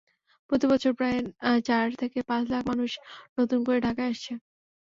প্রতিবছর প্রায় চার থেকে পাঁচ লাখ মানুষ নতুন করে ঢাকায় আসছে।